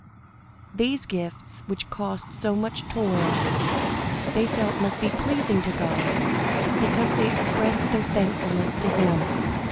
These gifts, which cost so much toil, they felt must be pleasing to God, because they expressed their thankfulness to him.